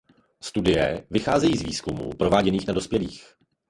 Studie vycházejí z výzkumů prováděných na dospělých.